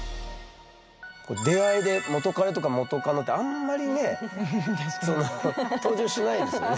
出会いで元カレとか元カノってあんまりね登場しないですよね？